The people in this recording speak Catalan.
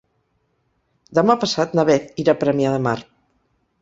Demà passat na Beth irà a Premià de Mar.